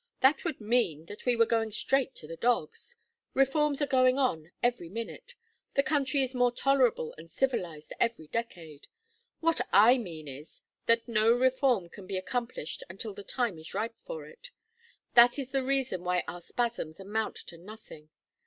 That would mean that we were going straight to the dogs. Reforms are going on every minute. The country is more tolerable and civilized every decade. What I mean is that no reform can be accomplished until the time is ripe for it. That is the reason why our spasms amount to nothing.